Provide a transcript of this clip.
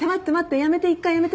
やめて一回やめて。